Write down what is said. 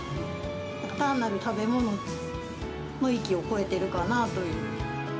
単なる食べ物の域を超えてるかなあという。